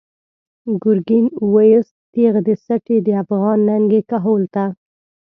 “گرگین” ویوست تیغ د سټی، د افغان ننگی کهول ته